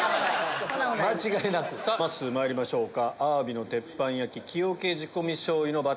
まっすーまいりましょうか。